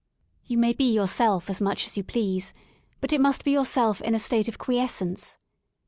You may be yourself as much as you please, but it must be yourself in a state of quiescence.